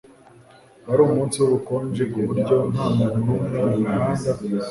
Wari umunsi wubukonje kuburyo ntamuntu numwe mumuhanda